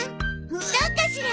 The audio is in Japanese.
どうかしら？